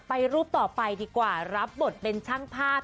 ไปรูปต่อไปดีกว่ารับบทเป็นช่างภาพ